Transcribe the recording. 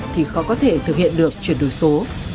thì khó có thể thực hiện được chuyển đổi số